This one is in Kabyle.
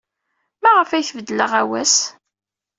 Maɣef ay tbeddel aɣawas?